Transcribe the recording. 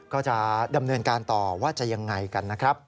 ก็จะดำเนินการต่อว่าจะยังไงกันนะครับ